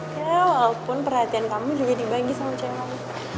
ya walaupun perhatian kamu juga dibagi sama cewek